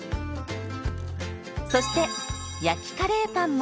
そして焼きカレーパンも。